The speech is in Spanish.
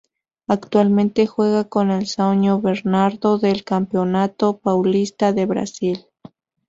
Actualmente juega en el São Bernardo del Campeonato Paulista de Brasil.